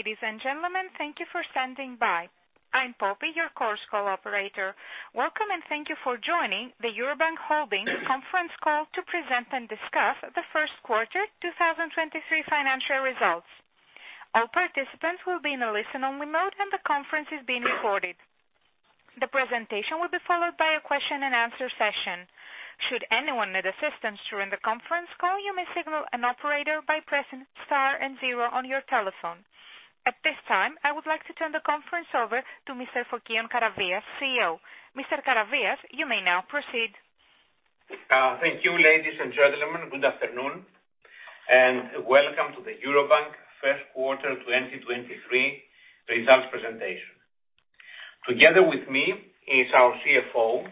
Ladies and gentlemen, thank you for standing by. I'm Poppy, your Chorus Call operator. Welcome, thank you for joining the Eurobank Holdings conference call to present and discuss the first quarter 2023 financial results. All participants will be in a listen only mode, and the conference is being recorded. The presentation will be followed by a question-and-answer session. Should anyone need assistance during the conference call, you may signal an operator by pressing star and zero on your telephone. At this time, I would like to turn the conference over to Mr. Fokion Karavias, CEO. Mr. Karavias, you may now proceed. Thank you, ladies and gentlemen. Good afternoon, and welcome to the Eurobank first quarter 2023 results presentation. Together with me is our CFO,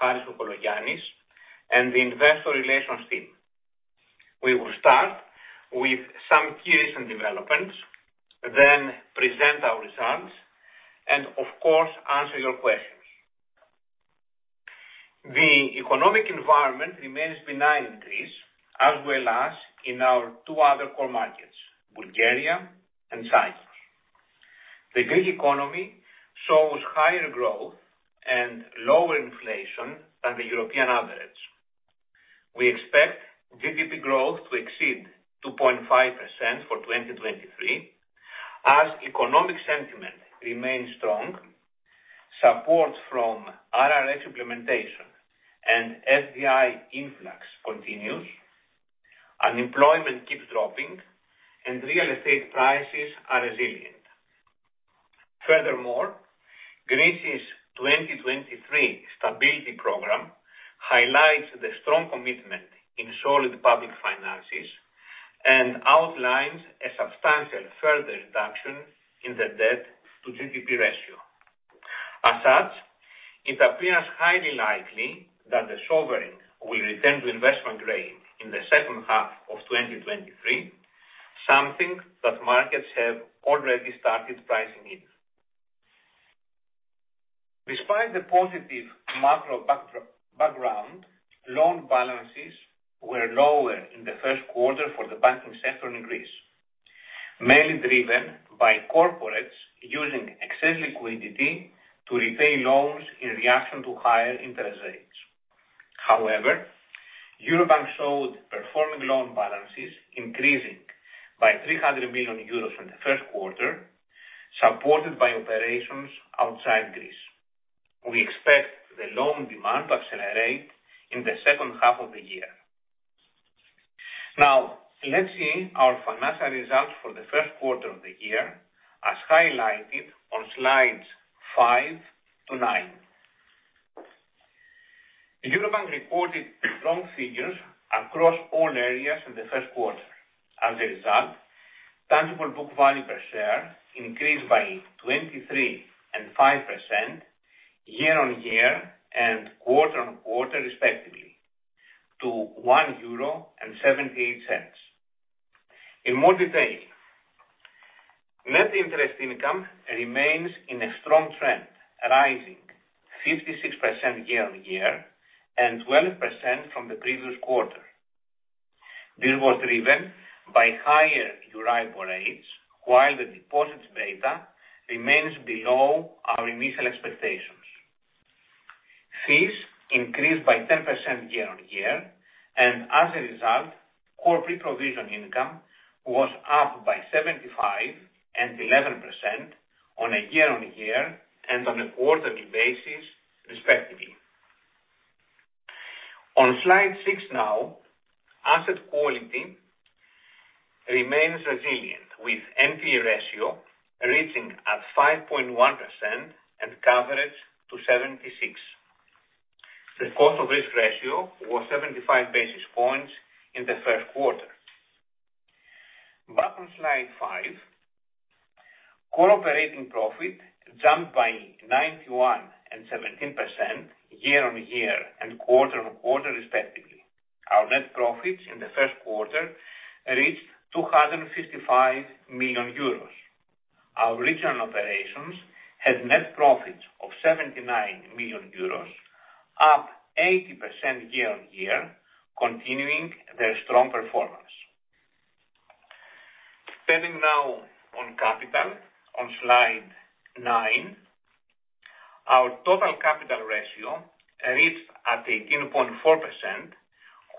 Harris Kokologiannis, and the Investor Relations team. We will start with some key recent developments, then present our results, and of course, answer your questions. The economic environment remains benign in Greece, as well as in our two other core markets, Bulgaria and Cyprus. The Greek economy shows higher growth and lower inflation than the European average. We expect GDP growth to exceed 2.5% for 2023 as economic sentiment remains strong, support from RRF implementation and FDI influx continues, unemployment keeps dropping, and real estate prices are resilient. Furthermore, Greece's 2023 stability program highlights the strong commitment in solid public finances and outlines a substantial further reduction in the debt to GDP ratio. As such, it appears highly likely that the sovereign will return to investment grade in the second half of 2023, something that markets have already started pricing in. Despite the positive macro background, loan balances were lower in the first quarter for the banking sector in Greece, mainly driven by corporates using excess liquidity to repay loans in reaction to higher interest rates. However, Eurobank showed performing loan balances increasing by 300 million euros from the first quarter, supported by operations outside Greece. We expect the loan demand to accelerate in the second half of the year. Let's see our financial results for the first quarter of the year, as highlighted on slides five to nine. Eurobank reported strong figures across all areas in the first quarter. Tangible book value per share increased by 23% and 5% year-on-year and quarter-on-quarter respectively to 1.78 euro. In more detail, net interest income remains in a strong trend, rising 56% year-on-year and 12% from the previous quarter. This was driven by higher Euribor rates, while the deposit beta remains below our initial expectations. Fees increased by 10% year-on-year, as a result, core pre-provision income was up by 75% and 11% on a year-on-year and on a quarterly basis, respectively. On slide six now, asset quality remains resilient, with NPE ratio reaching at 5.1% and coverage to 76. The cost of risk ratio was 75 basis points in the first quarter. Back on slide five, core operating profit jumped by 91% and 17% year-on-year and quarter-on-quarter, respectively. Our net profits in the first quarter reached 255 million euros. Our regional operations had net profits of 79 million euros, up 80% year-on-year, continuing their strong performance. Spending now on capital, on slide nine, our total capital ratio reached at 18.4%,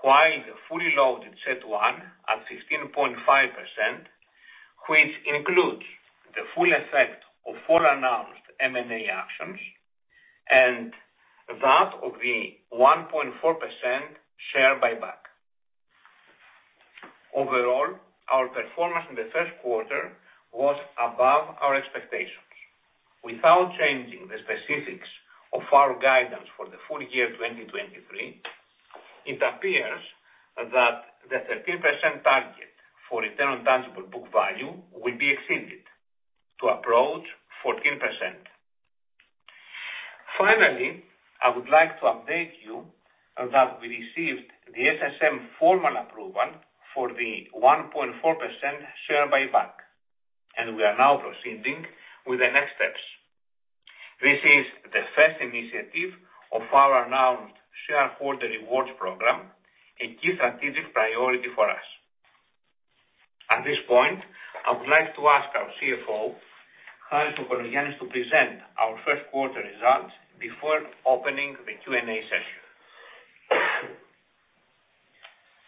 while the fully loaded CET1 at 16.5%, which includes the full effect of all announced M&A actions and that of the 1.4% share buyback. Our performance in the first quarter was above our expectations. Without changing the specifics of our guidance for the full year 2023, it appears that the 13% target for return on tangible book value will be exceeded to approach 14%. Finally, I would like to update you that we received the SSM formal approval for the 1.4% share buyback. We are now proceeding with the next steps. This is the first initiative of our announced shareholder rewards program, a key strategic priority for us. At this point, I would like to ask our CFO, Harris Kokologiannis, to present our first quarter results before opening the Q&A session.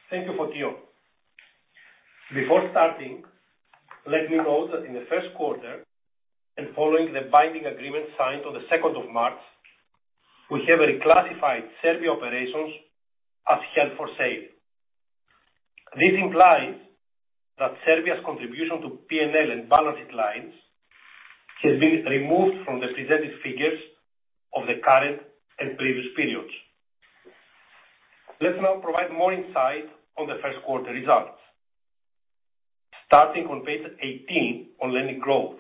Thank you, Fokion. Before starting, let me note that in the first quarter, and following the binding agreement signed on the 2nd of March, we have reclassified Serbia operations as held for sale. This implies that Serbia's contribution to P&L and balance sheet lines has been removed from the presented figures of the current and previous periods. Let's now provide more insight on the first quarter results. Starting on page 18 on lending growth.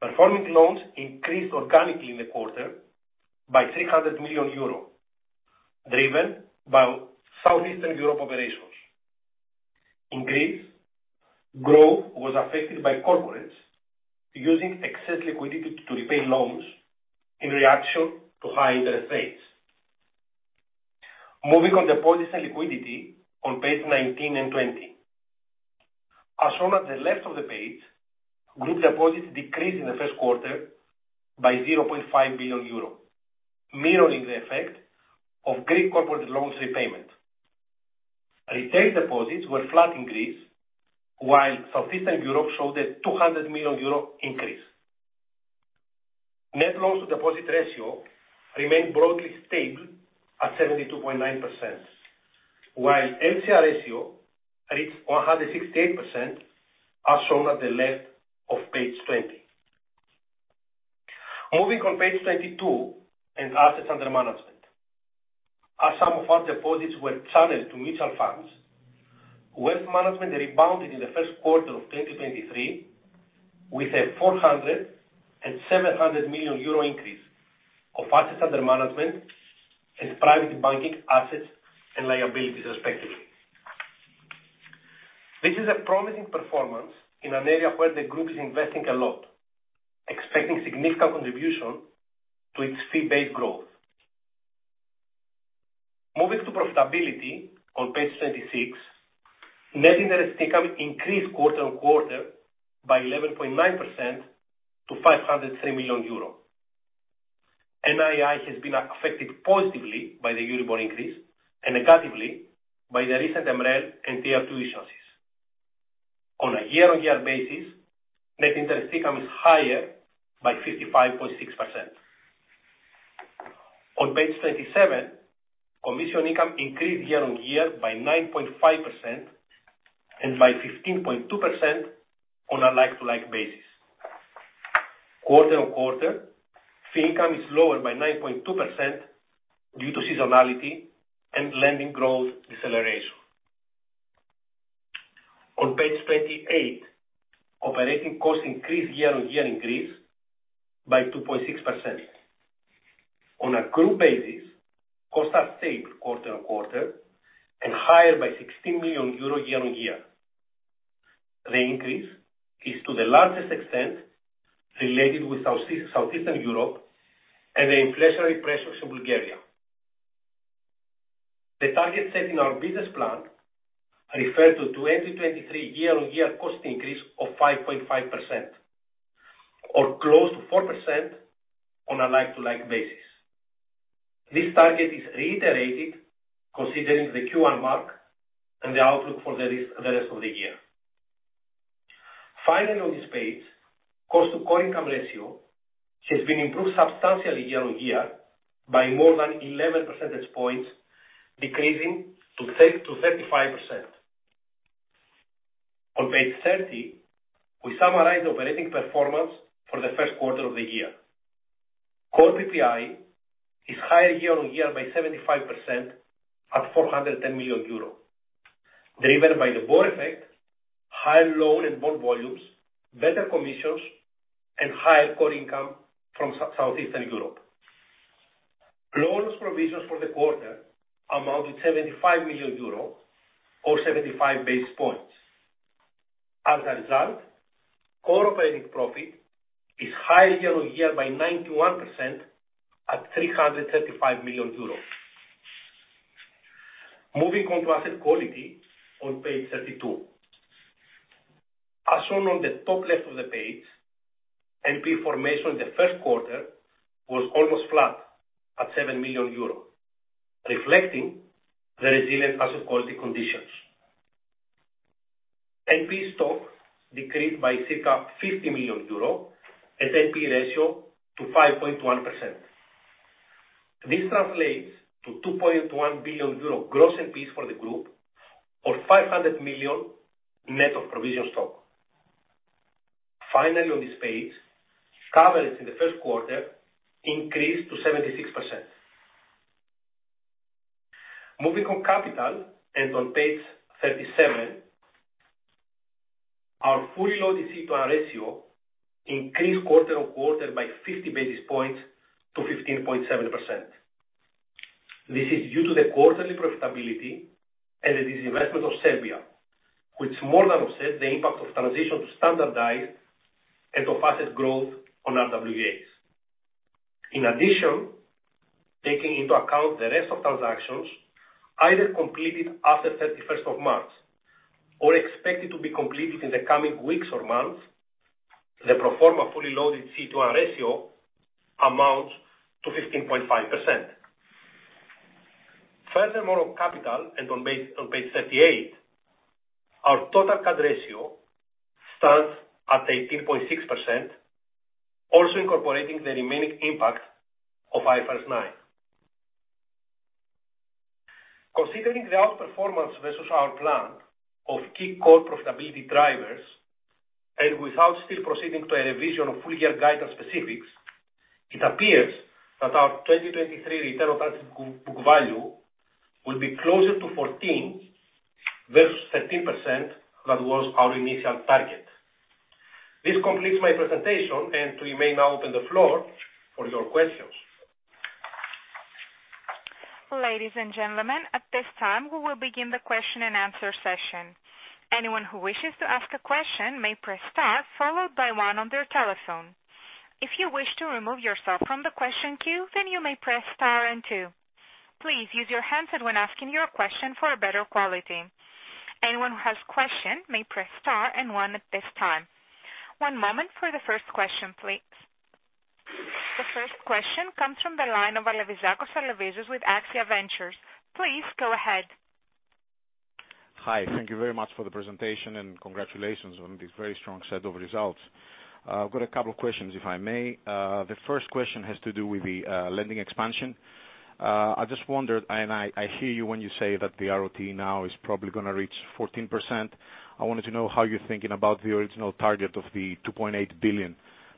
Performing loans increased organically in the quarter by 300 million euro, driven by Southeastern Europe operations. In Greece, growth was affected by corporates using excess liquidity to repay loans in reaction to high interest rates. Moving on deposits and liquidity on page 19 and 20. As shown at the left of the page, group deposits decreased in the first quarter by 0.5 billion euro, mirroring the effect of Greek corporate loans repayment. Retail deposits were flat in Greece, while Southeastern Europe showed a 200 million euro increase. Net loans to deposit ratio remained broadly stable at 72.9%, while LCR ratio reached 168%, as shown at the left of page 20. Moving on page 22 and assets under management. As some of our deposits were channeled to mutual funds, wealth management rebounded in the first quarter of 2023 with a 400 million euro and 700 million euro increase of assets under management and private banking assets and liabilities respectively. This is a promising performance in an area where the group is investing a lot, expecting significant contribution to its fee-based growth. Moving to profitability on page 26. Net interest income increased quarter-on-quarter by 11.9% to 503 million euro. NII has been affected positively by the Euribor increase and negatively by the recent MREL and Tier 2 issuances. On a year-on-year basis, net interest income is higher by 55.6%. On page 27, commission income increased year-on-year by 9.5% and by 15.2% on a like-to-like basis. Quarter-on-quarter, fee income is lower by 9.2% due to seasonality and lending growth deceleration. On page 28, operating costs increased year-on-year in Greece by 2.6%. On a group basis, costs are stable quarter-on-quarter and higher by 16 million euro year-on-year. The increase is to the largest extent related with South-Southeastern Europe and the inflationary pressures in Bulgaria. The target set in our business plan refer to 2023 year-on-year cost increase of 5.5% or close to 4% on a like-to-like basis. This target is reiterated considering the Q1 mark and the outlook for the rest of the year. Finally, on this page, cost to core income ratio has been improved substantially year-on-year by more than 11 percentage points, decreasing to 35%. On page 30, we summarize operating performance for the first quarter of the year. Core PPI is higher year-on-year by 75% at 410 million euro, driven by the bore effect, higher loan and bond volumes, better commissions, and higher core income from Southeastern Europe. Loan loss provisions for the quarter amounted 75 million euro or 75 basis points. As a result, core operating profit is higher year-on-year by 91% at 335 million euros. Moving on to asset quality on page 32. As shown on the top left of the page, NPE formation in the first quarter was almost flat at 7 million euro, reflecting the resilient asset quality conditions. NPE stock decreased by circa 50 million euro at NPE ratio to 5.1%. This translates to 2.1 billion euro gross NPE for the group or 500 million net of provision stock. Finally, on this page, coverage in the first quarter increased to 76%. Moving on capital and on page 37, our fully loaded CET1 ratio increased quarter-on-quarter by 50 basis points to 15.7%. This is due to the quarterly profitability and the disinvestment of Serbia, which more than offset the impact of transition to standardized and of asset growth on RWAs. In addition, taking into account the rest of transactions either completed after 31st of March or expected to be completed in the coming weeks or months, the pro forma fully loaded CET1 ratio amounts to 15.5%. Furthermore, on capital and on page 38, our total capital ratio stands at 18.6%, also incorporating the remaining impact of IFRS 9. Considering the outperformance versus our plan of key core profitability drivers and without still proceeding to a revision of full year guidance specifics, it appears that our 2023 return on tangible book value will be closer to 14% versus 13% that was our initial target. This completes my presentation. We may now open the floor for your questions. Ladies and gentlemen, at this time, we will begin the question-and-answer session. Anyone who wishes to ask a question may press star followed by one on their telephone. If you wish to remove yourself from the question queue, then you may press star and two. Please use your handset when asking your question for a better quality. Anyone who has question may press star and one at this time. One moment for the first question, please. The first question comes from the line of Alevizakos Alevizos with AXIA Ventures. Please go ahead. Hi. Thank you very much for the presentation and congratulations on this very strong set of results. I've got a couple of questions, if I may. The first question has to do with the lending expansion. I just wondered, and I hear you when you say that the RoTE now is probably gonna reach 14%. I wanted to know how you're thinking about the original target of the 2.8 billion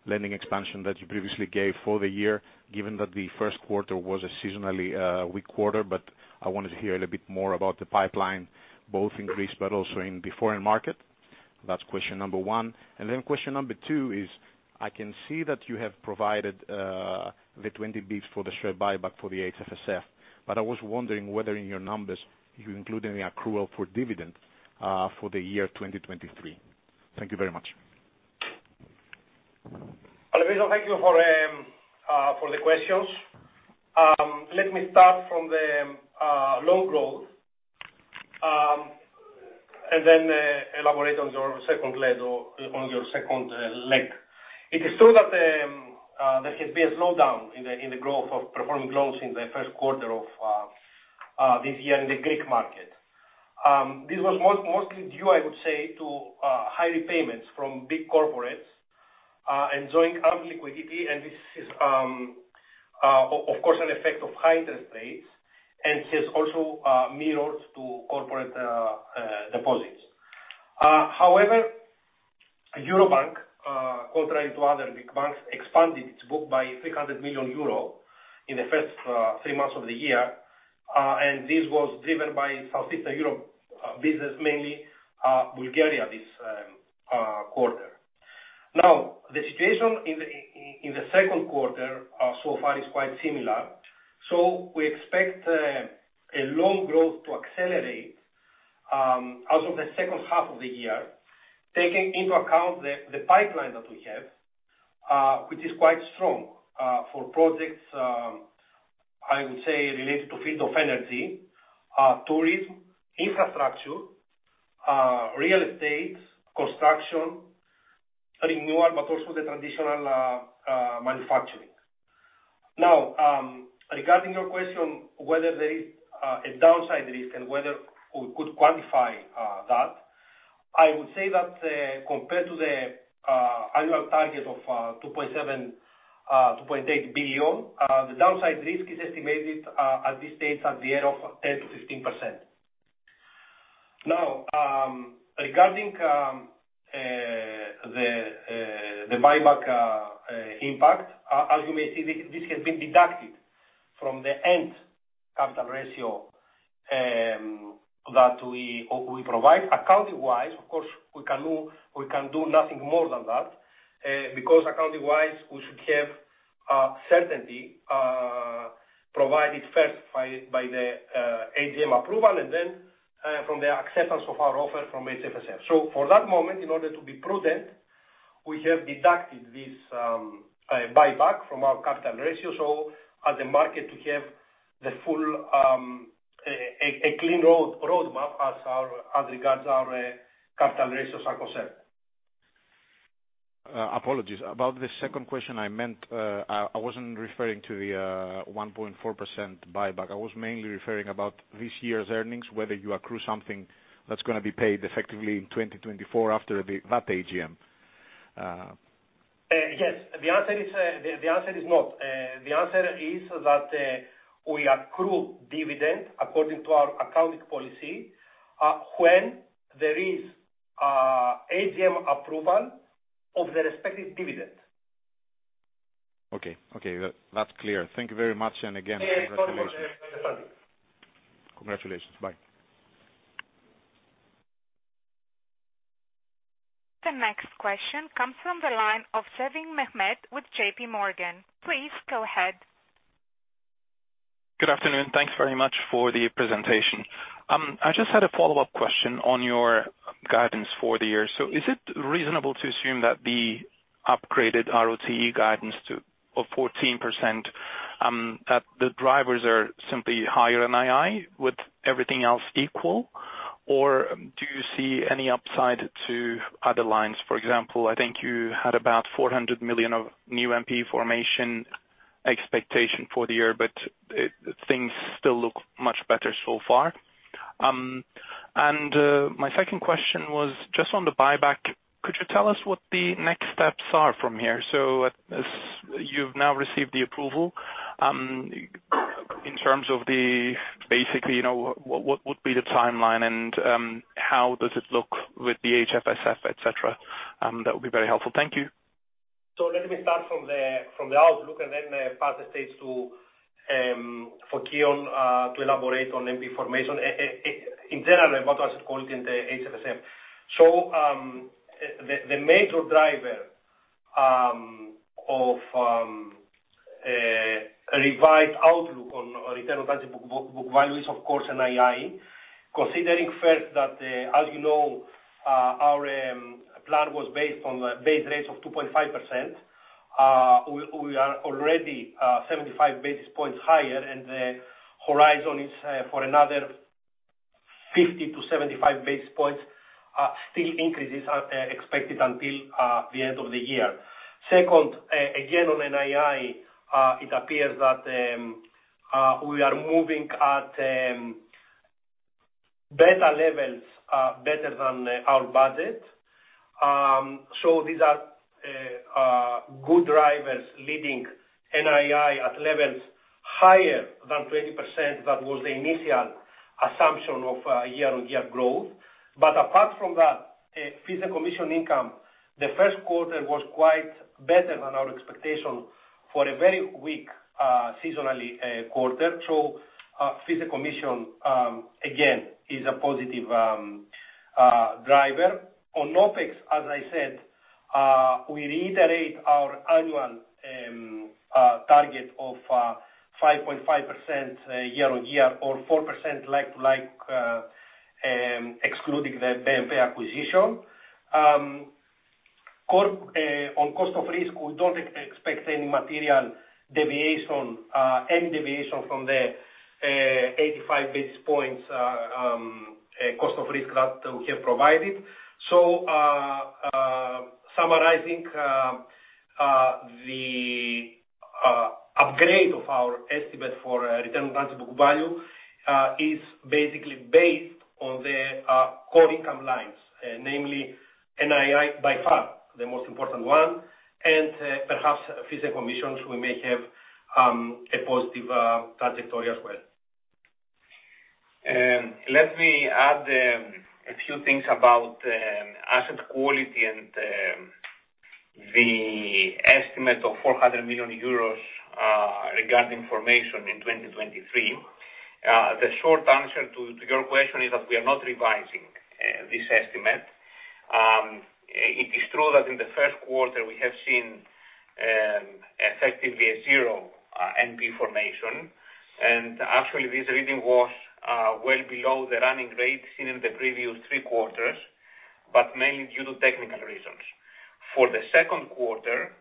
lending expansion that you previously gave for the year, given that the first quarter was a seasonally weak quarter. I wanted to hear a little bit more about the pipeline, both in Greece but also in the foreign market. That's question number one. Question number two is I can see that you have provided the 20 basis points for the share buyback for the HFSF, but I was wondering whether in your numbers you include any accrual for dividend for the year 2023. Thank you very much. Alevizos, thank you for the questions. Let me start from the loan growth and then elaborate on your second leg. It is true that there has been a slowdown in the growth of performing loans in the first quarter of this year in the Greek market. This was mostly due, I would say, to high repayments from big corporates enjoying ample liquidity. This is, of course, an effect of high interest rates and has also mirrored to corporate deposits. Eurobank, contrary to other big banks, expanded its book by 300 million euro in the first three months of the year. This was driven by Southeastern Europe business, mainly Bulgaria, this quarter. The situation in the second quarter so far is quite similar. We expect a loan growth to accelerate as of the second half of the year, taking into account the pipeline that we have, which is quite strong for projects, I would say related to field of energy, tourism, infrastructure, real estate, construction, renewal, but also the traditional manufacturing. Regarding your question whether there is a downside risk and whether we could quantify that, I would say that compared to the annual target of 2.7 billion-2.8 billion, the downside risk is estimated at this stage at the area of 10%-15%. Now, regarding the buyback impact, as you may see, this has been deducted from the end capital ratio that we provide accounting-wise. Of course, we can do nothing more than that because accounting-wise we should have certainty provided first by the AGM approval and then from the acceptance of our offer from HFSF. For that moment, in order to be prudent, we have deducted this buyback from our capital ratio. As a market, we have the full clean roadmap as regards our capital ratios are concerned. Apologies. About the second question, I meant, I wasn't referring to the 1.4% buyback. I was mainly referring about this year's earnings, whether you accrue something that's gonna be paid effectively in 2024 after that AGM. Yes. The answer is, the answer is not. The answer is that, we accrue dividend according to our accounting policy, when there is AGM approval of the respective dividend. Okay. That's clear. Thank you very much. Again, congratulations. Yeah. No problem. Thank you. Congratulations. Bye. The next question comes from the line of Mehmet Sevim with JPMorgan. Please go ahead. Good afternoon. Thanks very much for the presentation. I just had a follow-up question on your guidance for the year. Is it reasonable to assume that the upgraded RoTE guidance to of 14%, that the drivers are simply higher NII with everything else equal? Do you see any upside to other lines? For example, I think you had about 400 million of new NPE formation expectation for the year, things still look much better so far. My second question was just on the buyback. Could you tell us what the next steps are from here? As you've now received the approval, in terms of the basically, you know, what would be the timeline and how does it look with the HFSF, et cetera? That would be very helpful. Thank you. Let me start from the, from the outlook and then pass the stage to Fokion Karavias to elaborate on NPE formation in general, about asset quality in the HFSF. The major driver of revised outlook on return on tangible book value is, of course, NII. Considering first that, as you know, our plan was based on base rates of 2.5%. We are already 75 basis points higher, and the horizon is for another 50-75 basis points, still increases are expected until the end of the year. Second, again, on NII, it appears that we are moving at better levels, better than our budget. These are good drivers leading NII at levels higher than 20%. That was the initial assumption of year-on-year growth. Apart from that, fees and commission income, the first quarter was quite better than our expectation for a very weak, seasonally quarter. Fees and commission, again, is a positive driver. On OPEX, as I said, we reiterate our annual target of 5.5% year-on-year, or 4% like-to-like, excluding the BNP acquisition. On cost of risk, we don't expect any material deviation, any deviation from the 85 basis points cost of risk that we have provided. Summarizing, the upgrade of our estimate for return on tangible book value is basically based on the core income lines, namely NII, by far the most important one, and perhaps fees and commissions, we may have a positive trajectory as well. Let me add a few things about asset quality and the estimate of 400 million euros regarding formation in 2023. The short answer to your question is that we are not revising this estimate. It is true that in the first quarter we have seen effectively a zero NPE formation. Actually, this reading was well below the running rate seen in the previous three quarters, but mainly due to technical reasons. For the second quarter,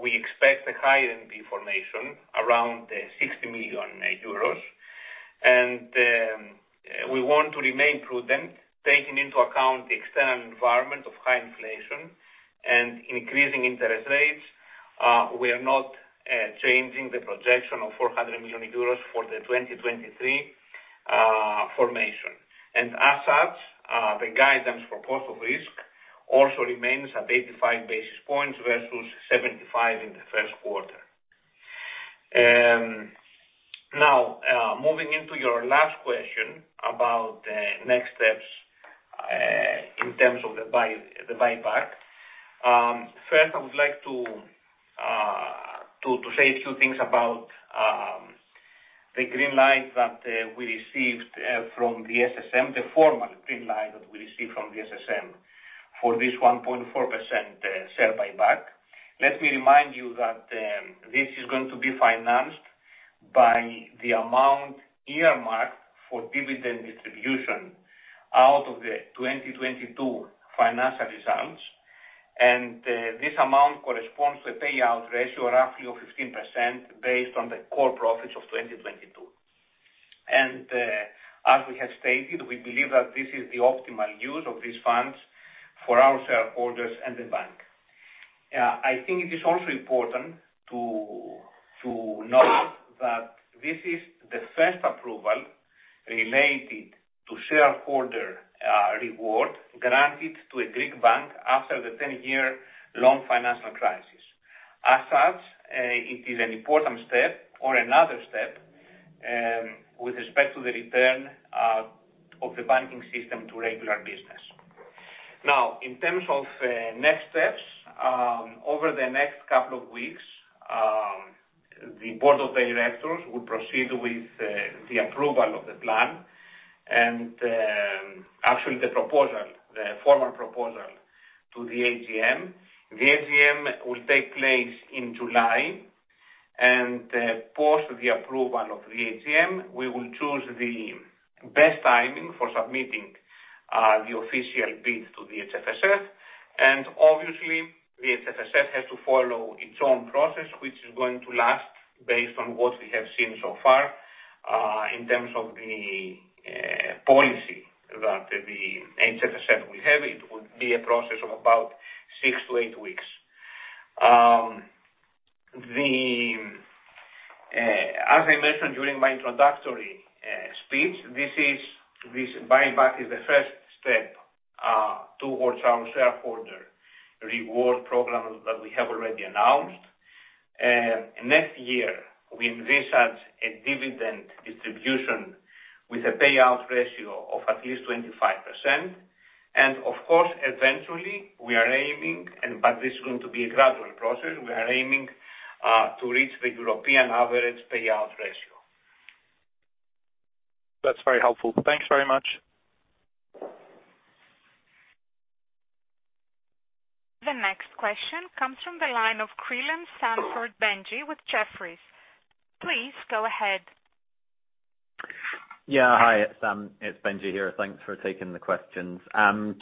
we expect a higher NPE formation around EUR 60 million. We want to remain prudent, taking into account the external environment of high inflation and increasing interest rates. We are not changing the projection of 400 million euros for the 2023 formation. As such, the guidance for cost of risk also remains at 85 basis points versus 75 in the first quarter. Now, moving into your last question about next steps in terms of the buyback. First, I would like to say a few things about the green light that we received from the SSM, the formal green light that we received from the SSM for this 1.4% share buyback. Let me remind you that this is going to be financed by the amount earmarked for dividend distribution out of the 2022 financial results. This amount corresponds to a payout ratio roughly of 15% based on the core profits of 2022. As we have stated, we believe that this is the optimal use of these funds for our shareholders and the bank. I think it is also important to note that this is the first approval related to shareholder reward granted to a Greek bank after the 10-year-long financial crisis. It is an important step or another step with respect to the return of the banking system to regular business. In terms of next steps, over the next couple of weeks. The board of directors will proceed with the approval of the plan, and the proposal, the formal proposal to the AGM. The AGM will take place in July, post the approval of the AGM, we will choose the best timing for submitting the official bid to the HFSF. Obviously, the HFSF has to follow its own process, which is going to last based on what we have seen so far, in terms of the policy that the HFSF will have. It would be a process of about six to eight weeks. As I mentioned during my introductory speech, this buyback is the first step towards our shareholder reward program that we have already announced. Next year we envisage a dividend distribution with a payout ratio of at least 25%. Of course, eventually we are aiming, and but this is going to be a gradual process, we are aiming, to reach the European average payout ratio. That's very helpful. Thanks very much. The next question comes from the line of Creelan-Sanford Benji with Jefferies. Please go ahead. Yeah. Hi, it's Benji here. Thanks for taking the questions.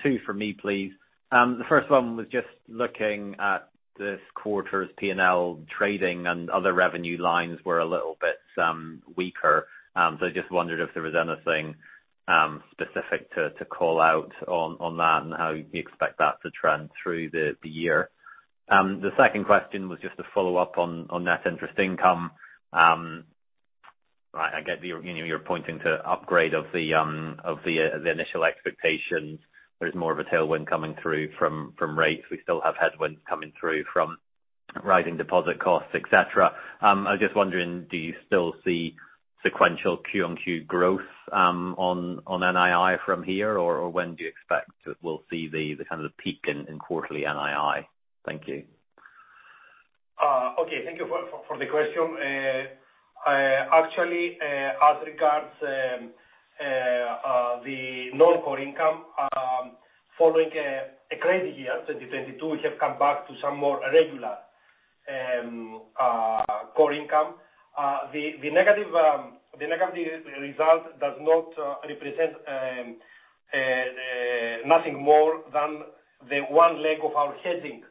Two for me, please. The first one was just looking at this quarter's P&L trading and other revenue lines were a little bit weaker. I just wondered if there was anything specific to call out on that and how you expect that to trend through the year. The second question was just a follow-up on net interest income. I get you know, you're pointing to upgrade of the initial expectations. There's more of a tailwind coming through from rates. We still have headwinds coming through from rising deposit costs, et cetera. I was just wondering, do you still see sequential Q-on-Q growth on NII from here? Or when do you expect to... we'll see the kind of the peak in quarterly NII? Thank you. Okay, thank you for the question. Actually, as regards the non-core income, following a crazy year, 2022, we have come back to some more regular core income. The negative result does not represent nothing more than the one leg of our hedging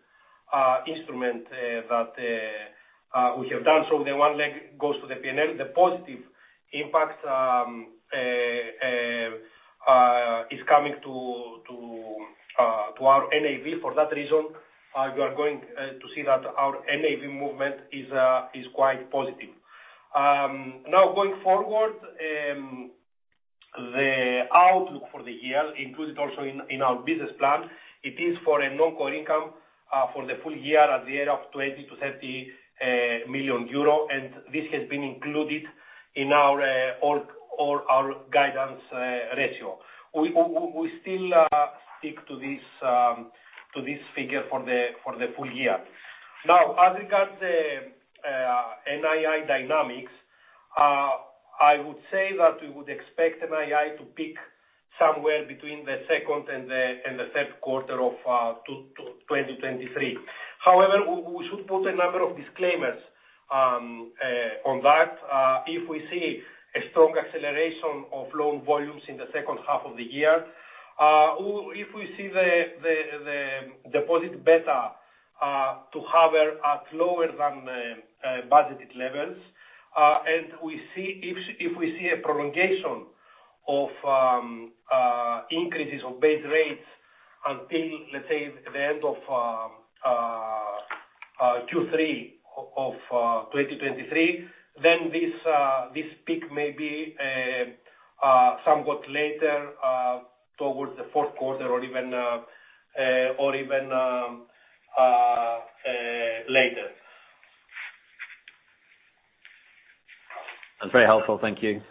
instrument that we have done. The one leg goes to the P&L. The positive impact is coming to our NAV for that reason. You are going to see that our NAV movement is quite positive. Now going forward, the outlook for the year included also in our business plan. It is for a non-core income for the full year at the end of 20 million-30 million euro, and this has been included in our all our guidance ratio. We still stick to this figure for the full year. As regards the NII dynamics, I would say that we would expect NII to peak somewhere between the second and the third quarter of 2023. However, we should put a number of disclaimers on that. If we see a strong acceleration of loan volumes in the second half of the year, or if we see the deposit beta to hover at lower than budgeted levels, and we see... If we see a prolongation of increases of base rates until, let's say, the end of Q3 of 2023, then this peak may be somewhat later towards the fourth quarter or even later. That's very helpful. Thank you.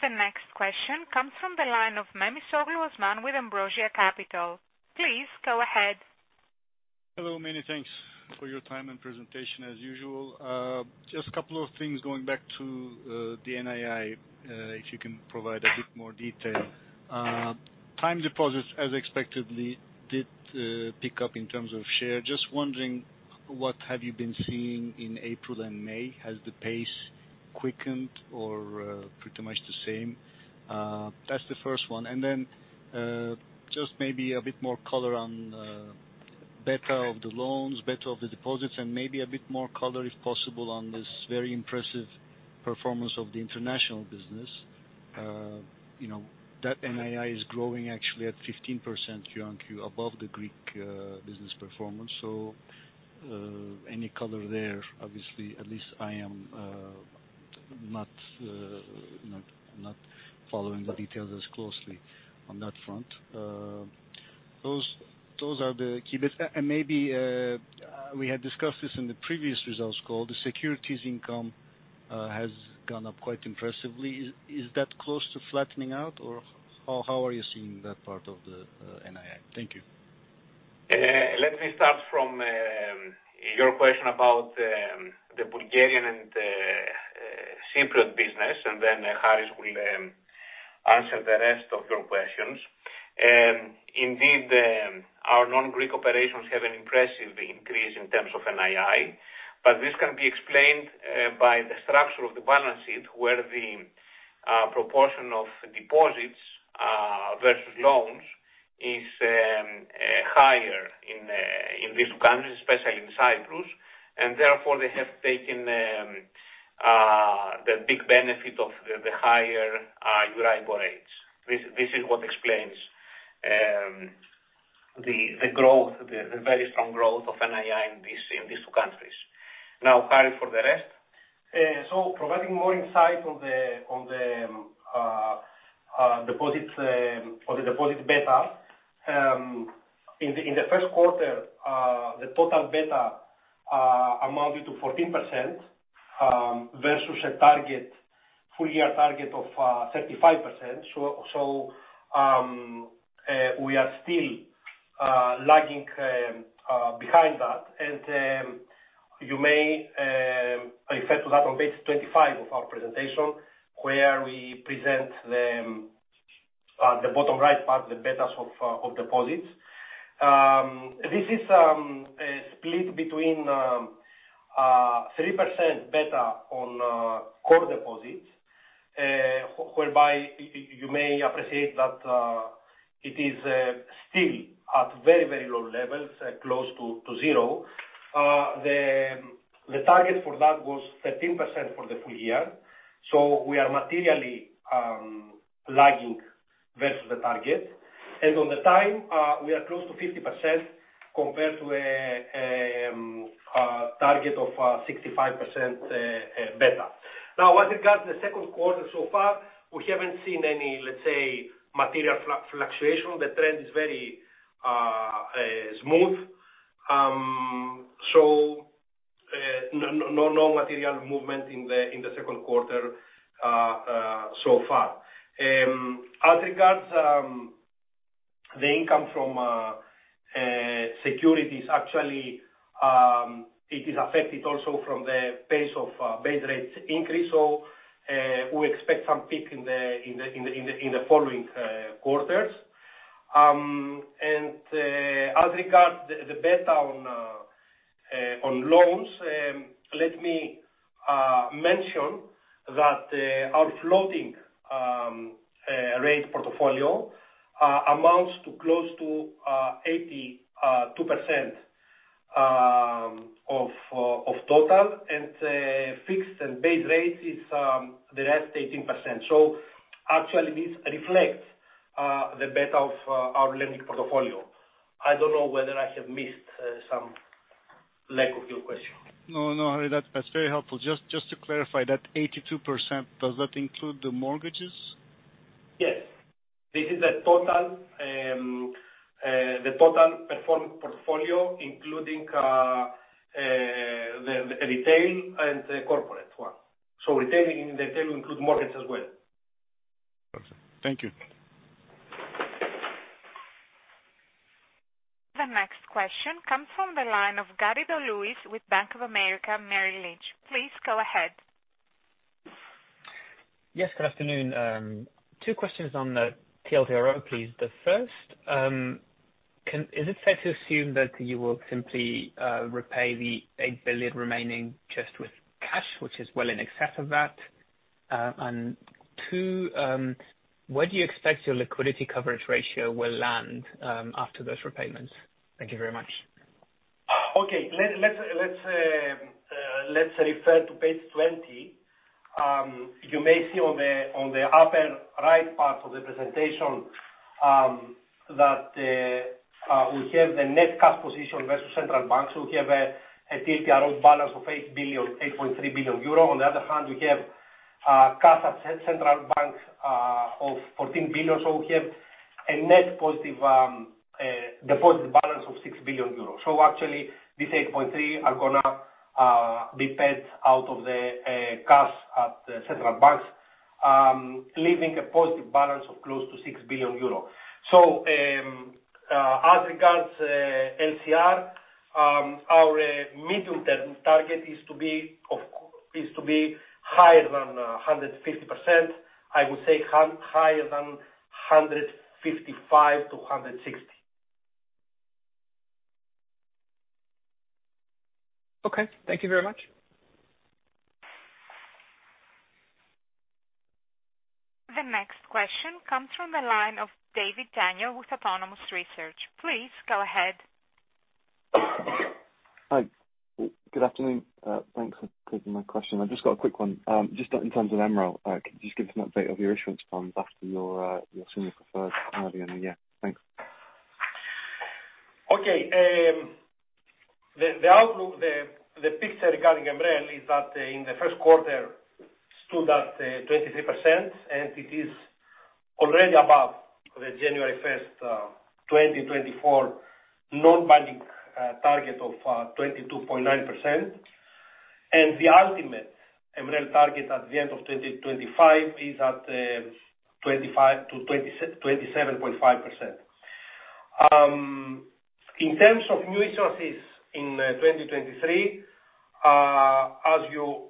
The next question comes from the line of Memisoglu Osman with Ambrosia Capital. Please go ahead. Hello, many thanks for your time and presentation as usual. Just a couple of things going back to the NII, if you can provide a bit more detail. Time deposits as expectedly did pick up in terms of share. Just wondering what have you been seeing in April and May? Has the pace quickened or pretty much the same? That's the first one. Just maybe a bit more color on beta of the loans, beta of the deposits, and maybe a bit more color if possible on this very impressive performance of the international business. You know, that NII is growing actually at 15% Q-on-Q above the Greek business performance. Any color there? Obviously, at least I am not following the details as closely on that front. Those are the key bits. Maybe, we had discussed this in the previous results call, the securities income has gone up quite impressively. Is that close to flattening out or how are you seeing that part of the NII? Thank you. Let me start from your question about the Bulgarian and Cyprus business and then Harris will answer the rest of your questions. Indeed, our non-Greek operations have an impressive increase in terms of NII, but this can be explained by the structure of the balance sheet, where the proportion of deposits versus loans is higher in these countries, especially in Cyprus. Therefore, they have taken the big benefit of the higher Euribor rates. This is what explains the growth, the very strong growth of NII in these two countries. Harris, for the rest. Providing more insight on the deposits, or the deposit beta. In the first quarter, the total beta amounted to 14% versus a target, full year target of 35%. We are still lagging behind that. You may refer to that on page 25 of our presentation, where we present the bottom right part, the betas of deposits. This is a split between 3% beta on core deposits, whereby you may appreciate that it is still at very, very low levels, close to zero. The target for that was 13% for the full year. We are materially lagging versus the target. On the time, we are close to 50% compared to a target of 65% beta. As regards the second quarter so far, we haven't seen any, let's say, material fluctuation. The trend is very smooth. No material movement in the second quarter so far. As regards the income from securities, actually, it is affected also from the pace of base rates increase. We expect some peak in the following quarters. As regards the beta on loans, let me mention that our floating rate portfolio amounts to close to 82% of total. Fixed and base rate is the rest 18%. Actually this reflects the beta of our lending portfolio. I don't know whether I have missed some leg of your question. No, no, Harris. That's very helpful. Just to clarify, that 82%, does that include the mortgages? Yes. This is the total portfolio, including the retail and the corporate one. Retailing, retail includes mortgage as well. Thank you. The next question comes from the line of Gary de Luis with Bank of America Merrill Lynch. Please go ahead. Yes, good afternoon. Two questions on the TLTRO, please. The first, is it fair to assume that you will simply repay the 8 billion remaining just with cash, which is well in excess of that? Two, where do you expect your liquidity coverage ratio will land after those repayments? Thank you very much. Okay. Let's refer to page 20. You may see on the, on the upper right part of the presentation, that we have the net cash position versus central bank. We have a TLTRO balance of 8 billion, 8.3 billion euro. On the other hand, we have cash at central bank of 14 billion. We have a net positive deposit balance of 6 billion euro. Actually this 8.3 are gonna be paid out of the cash at the central banks, leaving a positive balance of close to 6 billion euro. As regards LCR, our medium-term target is to be higher than 150%. I would say higher than 155 to 160. Okay. Thank you very much. The next question comes from the line of David Daniel with Autonomous Research. Please go ahead. Hi. Good afternoon. Thanks for taking my question. I've just got a quick one. Just in terms of MREL, can you just give us an update of your issuance plans after your senior preferred earlier in the year? Thanks. Okay. The outlook, the picture regarding MREL is that, in the first quarter stood at, 23%. Already above the January 1st, 2024 non-banking target of 22.9%. The ultimate MREL target at the end of 2025 is at 25%-27.5%. In terms of new resources in 2023, as you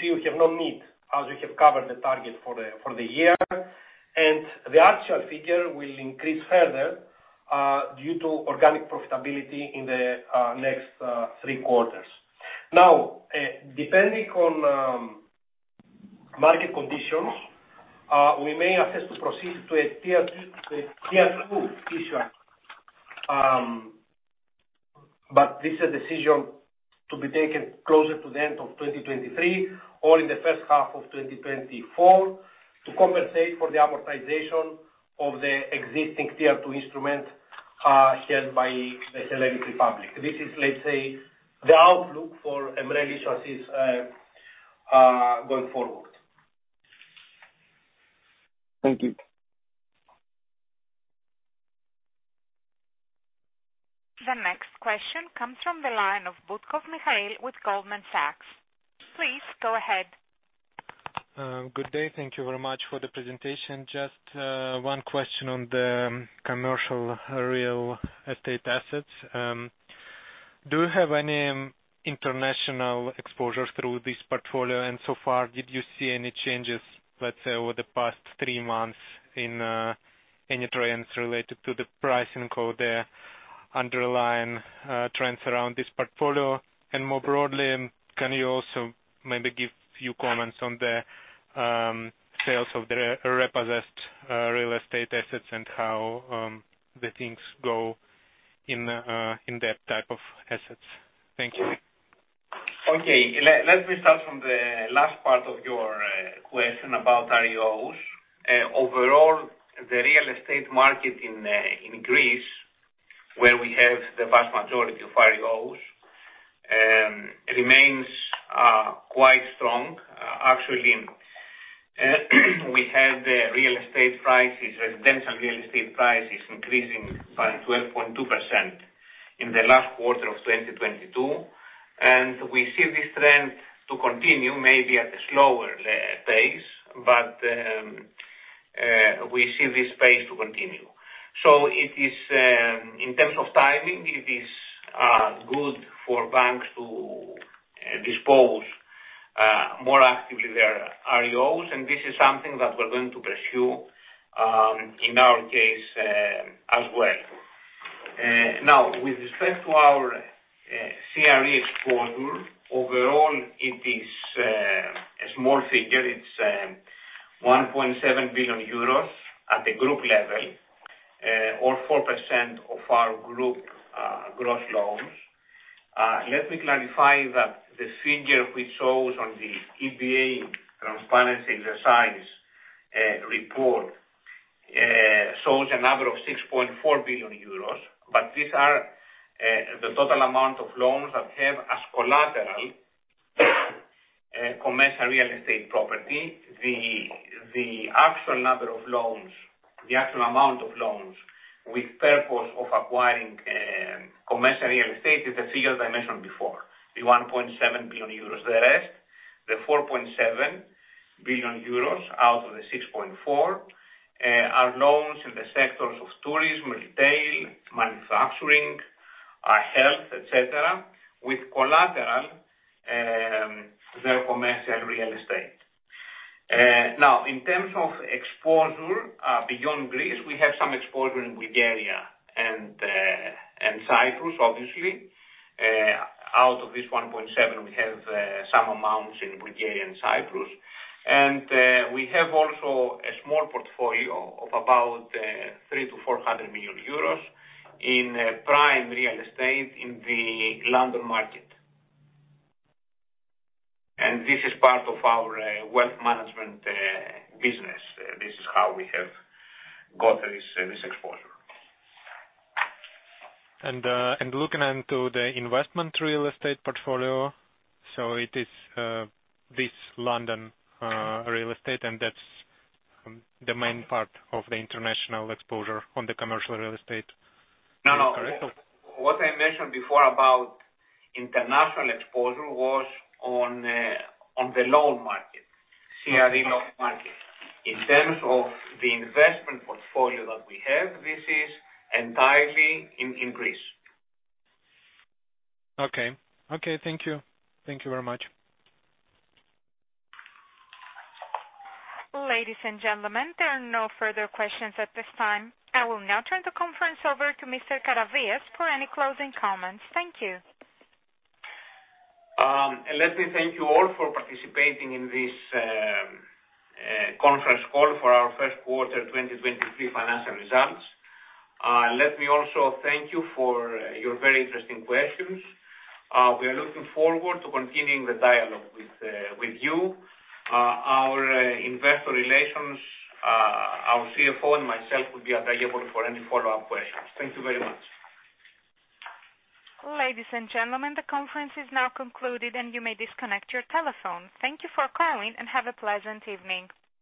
see, we have no need, as we have covered the target for the year. The actual figure will increase further due to organic profitability in the next three quarters. Depending on market conditions, we may assess to proceed to a Tier 2 issue. This a decision to be taken closer to the end of 2023 or in the first half of 2024 to compensate for the amortization of the existing Tier 2 instrument held by the Hellenic Republic. This is let's say, the outlook for MREL issues, going forward. Thank you. The next question comes from the line of Butkov Mikhail with Goldman Sachs. Please go ahead. Good day. Thank you very much for the presentation. Just one question on the commercial real estate assets. Do you have any international exposure through this portfolio? So far, did you see any changes, let's say, over the past three months in any trends related to the pricing or the underlying trends around this portfolio? More broadly, can you also maybe give few comments on the sales of the repossessed real estate assets and how the things go in in-depth type of assets? Thank you. Okay. Let me start from the last part of your question about REOs. Overall, the real estate market in Greece, where we have the vast majority of REOs, remains quite strong. Actually, we have the real estate prices, residential real estate prices increasing by 12.2% in the last quarter of 2022. We see this trend to continue maybe at a slower pace, but we see this pace to continue. It is, in terms of timing, it is good for banks to dispose more actively their REOs, and this is something that we're going to pursue in our case as well. Now with respect to our CRE exposure, overall, it is a small figure. It's 1.7 billion euros at the group level, or 4% of our group gross loans. Let me clarify that the figure we shows on the EBA transparency exercise report shows a number of 6.4 billion euros, but these are the total amount of loans that have as collateral commercial real estate property. The actual number of loans, the actual amount of loans with purpose of acquiring commercial real estate is the figures I mentioned before, the 1.7 billion euros. The rest, the 4.7 billion euros out of the 6.4 billion, are loans in the sectors of tourism, retail, manufacturing, health, et cetera, with collateral their commercial real estate. Now, in terms of exposure, beyond Greece, we have some exposure in Bulgaria and Cyprus, obviously. Out of this 1.7, we have some amounts in Bulgaria and Cyprus. We have also a small portfolio of about 300 million-400 million euros in prime real estate in the London market. This is part of our wealth management business. This is how we have got this exposure. Looking into the investment real estate portfolio, it is this London real estate, and that's the main part of the international exposure on the commercial real estate? No, no. Correct? What I mentioned before about international exposure was on the loan market, CRE loan market. In terms of the investment portfolio that we have, this is entirely in Greece. Okay. Okay, thank you. Thank you very much. Ladies and gentlemen, there are no further questions at this time. I will now turn the conference over to Mr. Karavias for any closing comments. Thank you. Let me thank you all for participating in this conference call for our first quarter 2023 financial results. Let me also thank you for your very interesting questions. We are looking forward to continuing the dialogue with you. Our Investor Relations, our CFO, and myself will be available for any follow-up questions. Thank you very much. Ladies and gentlemen, the conference is now concluded, and you may disconnect your telephone. Thank you for calling, and have a pleasant evening.